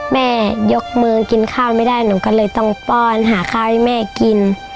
แม่ยกมือกินข้าวไม่ได้หนูก็เลยต้องป้อนหาข้าวให้แม่กิน